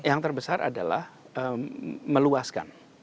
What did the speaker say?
yang terbesar adalah meluaskan